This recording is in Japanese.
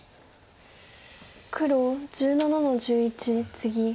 黒１７の十一ツギ。